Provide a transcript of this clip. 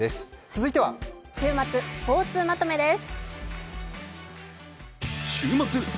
続いては週末スポーツまとめです。